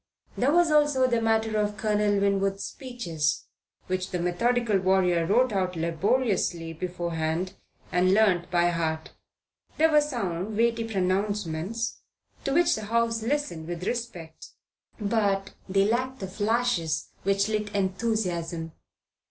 There was also the matter of Colonel Winwood's speeches, which the methodical warrior wrote out laboriously beforehand and learned by heart. They were sound, weighty pronouncements, to which the House listened with respect; but they lacked the flashes which lit enthusiasm.